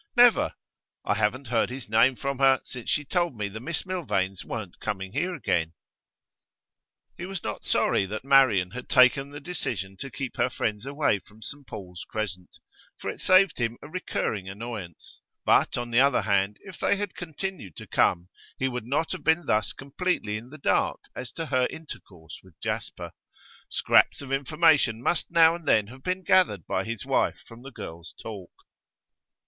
'Never. I haven't heard his name from her since she told me the Miss Milvains weren't coming here again.' He was not sorry that Marian had taken the decision to keep her friends away from St Paul's Crescent, for it saved him a recurring annoyance; but, on the other hand, if they had continued to come, he would not have been thus completely in the dark as to her intercourse with Jasper; scraps of information must now and then have been gathered by his wife from the girls' talk.